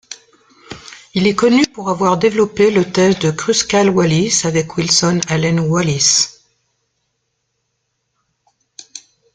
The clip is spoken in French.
Il est connu pour avoir développé le test de Kruskal-Wallis avec Wilson Allen Wallis.